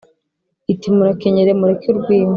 iti : murakenyere mureke urw’inka